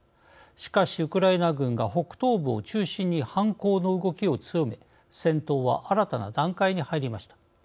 しかし、ウクライナ軍が北東部を中心に反攻の動きを強め戦闘は新たな段階に入りました。